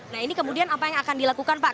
nah ini kemudian apa yang akan dilakukan pak